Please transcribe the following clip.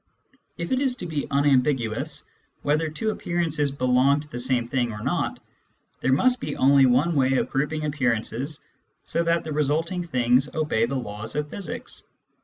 If it is to be unambiguous whether two appearances belong to the same thing or not, there must be only one way of grouping appearances so that the resulting things obey the laws of physics.